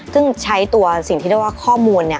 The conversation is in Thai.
ซึ่งใช้ตัวสิ่งที่เรียกว่าข้อมูล